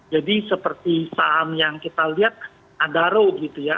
jadi seperti saham yang kita lihat adaro gitu ya